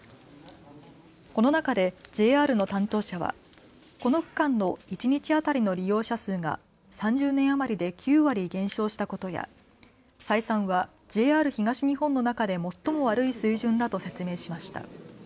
この中でＪＲの担当者はこの区間の一日当たりの利用者数が３０年余りで９割減少したことや採算はＪＲ東日本の中で最も悪い水準だと説明しました。